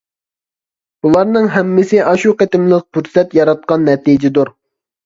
بۇلارنىڭ ھەممىسى ئاشۇ قېتىملىق پۇرسەت ياراتقان نەتىجىدۇر.